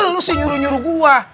lu sih nyuruh nyuruh gua